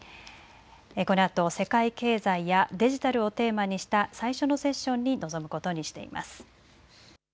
このあと世界経済やデジタルをテーマにした最初のセッションに臨むことにしています。